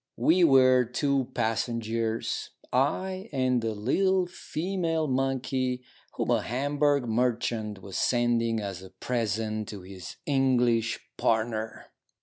We were two passengers ; I and a little female monkey, whom a Hamburg merchant was sending as a present to his English partner.